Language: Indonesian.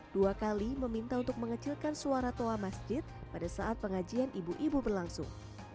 dua kali meminta untuk mengecilkan suara toa masjid pada saat pengajian ibu ibu berlangsung